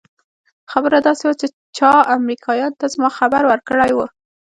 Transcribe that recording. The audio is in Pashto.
خبره داسې وه چې چا امريکايانو ته زما خبر ورکړى و.